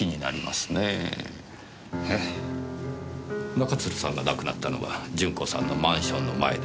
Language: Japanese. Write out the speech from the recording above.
中津留さんが亡くなったのは順子さんのマンションの前です。